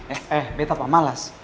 eh eh beta apa malas